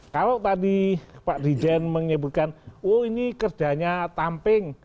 kalau tadi pak dijen menyebutkan oh ini kerjanya tamping